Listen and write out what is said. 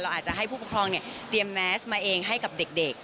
อาจจะให้ผู้ปกครองเตรียมแมสมาเองให้กับเด็ก